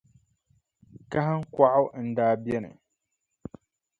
Kahiŋkɔɣu n-daa beni.